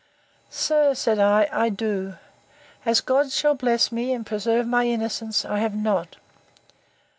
Sir, said I, I do. As God shall bless me, and preserve my innocence, I have not.